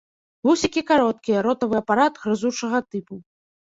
Вусікі кароткія, ротавы апарат грызучага тыпу.